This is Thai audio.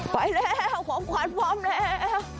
ไปแล้วของขวัญพร้อมแล้ว